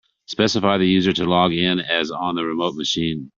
Specify the user to log in as on the remote machine.